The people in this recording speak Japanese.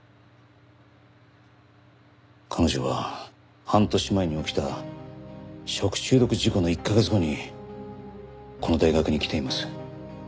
彼女は半年前に起きた食中毒事故の１カ月後にこの大学に来ています。